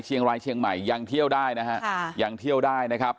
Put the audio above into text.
เชียงรายเชียงใหม่ยังเที่ยวได้นะครับ